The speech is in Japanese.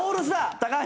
高橋。